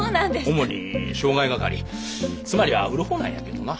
主に渉外係つまりは売る方なんやけどな。